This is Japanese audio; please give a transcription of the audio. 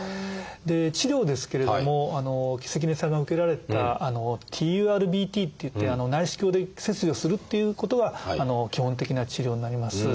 で治療ですけれども関根さんが受けられた「ＴＵＲＢＴ」っていって内視鏡で切除するっていうことが基本的な治療になります。